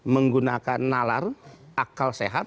menggunakan nalar akal sehat dan kemampuan